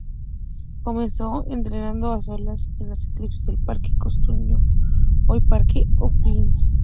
Comenzó entrenando a solas en la elipse del Parque Cousiño, hoy Parque O'Higgins.